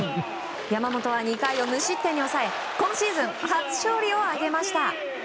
山本は２回を無失点に抑え今シーズン初勝利を挙げました。